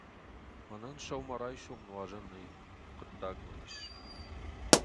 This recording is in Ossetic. Мӕнӕн сӕумӕрайсом нуазӕн нӕй, хъуыддаг мӕ ис.